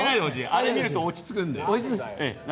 あれ見ると落ち着くんで。